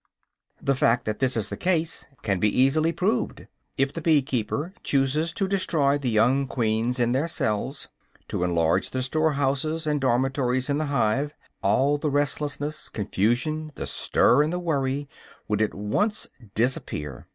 The fact that this is the case can easily be proved. If the bee keeper chooses to destroy the young queens in their cells, to enlarge the store houses and dormitories in the hive, all the restlessness, confusion, the stir and the worry, would at once disappear.